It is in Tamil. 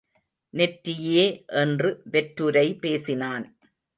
நெற்றியே என்று வெற்றுரை பேசினான்.